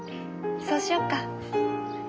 そうしようか。